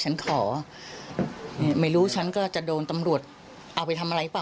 ฉันขอไม่รู้ฉันก็จะโดนตำรวจเอาไปทำอะไรหรือเปล่า